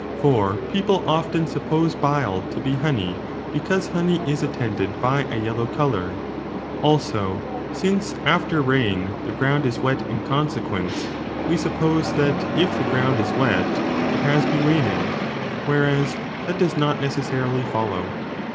For people often suppose bile CHAPTER V i6 7 b to be honey because honey is attended by a yellow colour : also, since after rain the ground is wet in consequence, we suppose that if the ground is wet, it has been raining ; whereas that does not necessarily follow.